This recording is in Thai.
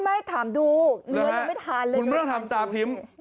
ไม่ถามดูเนื้อเราไม่ทานแล้วมาถามคุณไม่ตามตาพิมพ์